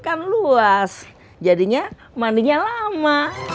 kenapa dikunci lagi